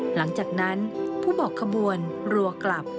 หลังจากนั้นผู้บอกขบวนรัวกลับ